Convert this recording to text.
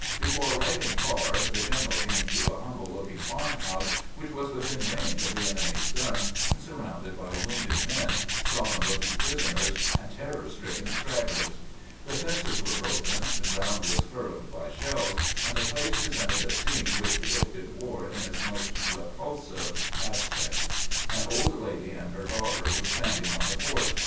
Before riding far the general came to a humble look ing farm house, which was within range of the enemy's guns, and surrounded by wounded men, sullen looking prisoners, and terror stricken stragglers. The fences were broken, the ground was furrowed by shells ; and the place presented a scene which depicted war in its most repulsive aspect. An old lady and her daughter were standing on the porch.